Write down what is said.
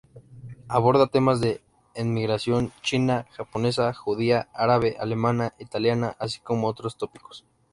Aborda temas de inmigración china, japonesa, judía, árabe, alemana, italiana, así como otros tópicos.